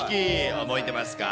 覚えてますか？